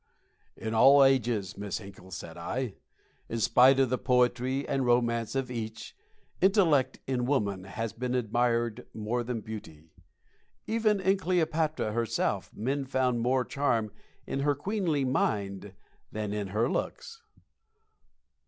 "In all ages, Miss Hinkle," said I, "in spite of the poetry and romance of each, intellect in woman has been admired more than beauty. Even in Cleopatra, herself, men found more charm in her queenly mind than in her looks."